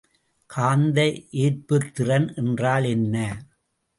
காந்த ஏற்புத்திறன் என்றால் என்ன?